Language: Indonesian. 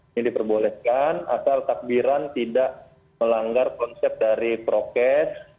ini diperbolehkan asal takbiran tidak melanggar konsep dari prokes